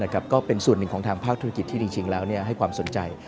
ก็เป็นส่วนหนึ่งของทางภาคธุรกิจที่จริงแล้วให้ความสนใจ